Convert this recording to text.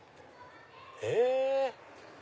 へぇ。